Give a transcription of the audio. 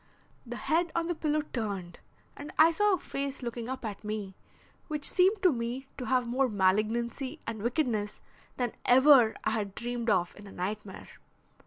The head on the pillow turned and I saw a face looking up at me which seemed to me to have more malignancy and wickedness than ever I had dreamed of in a nightmare.